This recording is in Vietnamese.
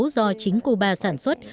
do chính cuba sản xuất